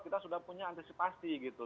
kita sudah punya antisipasi gitu